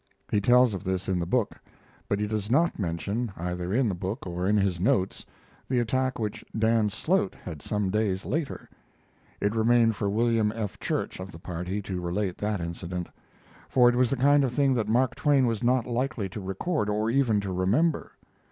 He tells of this in the book, but he does not mention, either in the book or in his notes, the attack which Dan Slote had some days later. It remained for William F. Church, of the party, to relate that incident, for it was the kind of thing that Mark Twain was not likely to record, or even to remember.